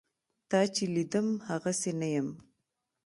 تا چې لیدم هغسې نه یم.